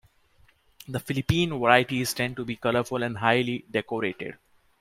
The Philippine varieties tend to be colorful and highly decorated.